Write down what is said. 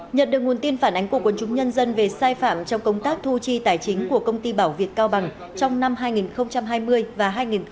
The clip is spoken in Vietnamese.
nhận được nguồn tin phản ánh của quân chúng nhân dân về sai phạm trong công tác thu chi tài chính của công ty bảo việt cao bằng trong năm hai nghìn hai mươi và hai nghìn hai mươi một